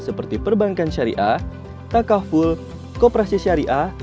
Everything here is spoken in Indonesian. seperti perbankan syariah takaful koperasi syariah